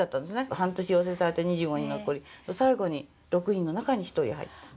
半年養成されて２５人残り最後に６人の中に１人入った。